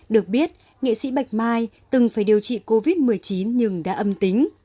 được biết nghệ sĩ bạch mai từng phải điều trị covid một mươi chín nhưng đã âm tính